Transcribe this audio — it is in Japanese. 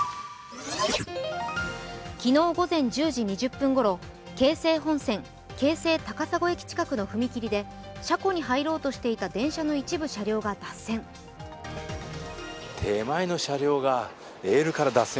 昨日午前１０時２０分ごろ、京成本線・京成高砂駅近くの踏切で車庫に入ろうとしていた電車の一部の車両が脱線。